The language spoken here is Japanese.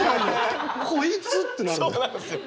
「こいつ」ってなるのよ。